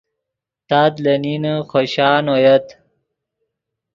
تات لے نین خوشان اویت